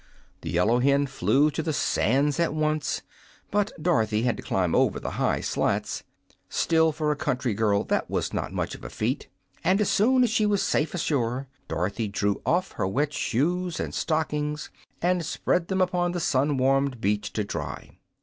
The yellow hen flew to the sands at once, but Dorothy had to climb over the high slats. Still, for a country girl, that was not much of a feat, and as soon as she was safe ashore Dorothy drew off her wet shoes and stockings and spread them upon the sun warmed beach to dry.